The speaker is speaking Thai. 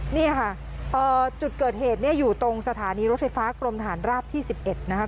นี่ค่ะจุดเกิดเหตุเนี่ยอยู่ตรงสถานีรถไฟฟ้ากรมฐานราบที่๑๑นะคะ